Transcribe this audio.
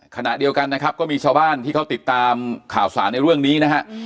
ขณะเดียวกันนะครับก็มีชาวบ้านที่เขาติดตามข่าวสารในเรื่องนี้นะฮะ